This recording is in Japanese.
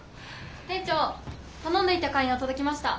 店長頼んどいた観葉届きました。